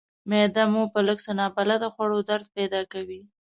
معده مو په لږ څه نابلده خوړو درد پیدا کوي.